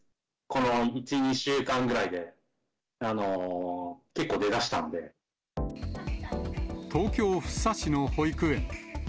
この１、２週間ぐらいで、結構、東京・福生市の保育園。